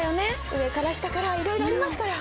上から下からいろいろありますから。